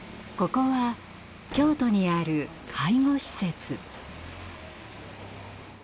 ここは京都にある介護施設。